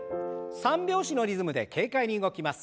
三拍子のリズムで軽快に動きます。